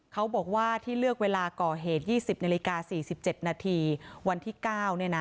เขาบอกว่าที่เลือกเวลาก่อเหตุ๒๐น๔๗นวันที่๙